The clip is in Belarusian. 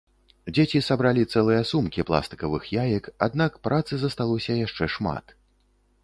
Дзеці сабралі цэлыя сумкі пластыкавых яек, аднак працы засталося яшчэ шмат.